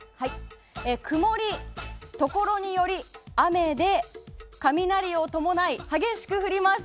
曇りところにより雨で雷を伴い激しく降ります。